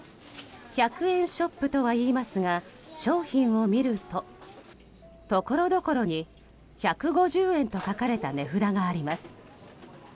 １００円ショップとはいいますが商品を見るとところどころに１５０円と書かれた値札があります。